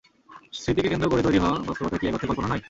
স্মৃতিকে কেন্দ্র করে তৈরী হওয়া বাস্তবতা কি এক অর্থে কল্পনা নয়?